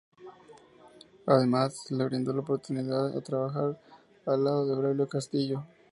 Además se le brindó la oportunidad de trabajar al lado de Braulio Castillo.